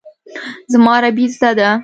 زما عربي زده ده.